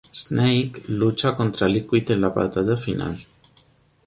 Snake lucha contra Liquid en la batalla final.